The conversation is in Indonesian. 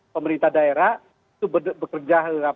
pemerintah daerah itu bekerja